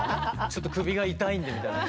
ちょっと首が痛いんでみたいな。